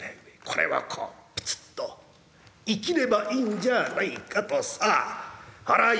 これはこうプツッと射切ればいいんじゃないかとさあこらぁ